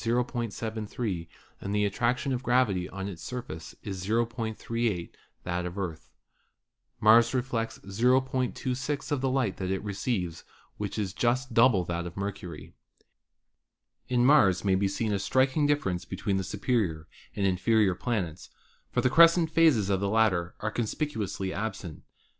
73 and the attraction of gravity on its surface 0.38 that of the Earth. Mars reflects 0.26 of the light that it receives, which is just double that of Mercury. In Mars may be seen a striking difference between the superior and inferior planets, for the crescent phases of the latter are conspicuously absent.